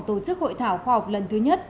tổ chức hội thảo khoa học lần thứ nhất